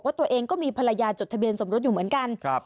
ตัวเองก็มีภรรยาจดทะเบียนสมรสอยู่เหมือนกัน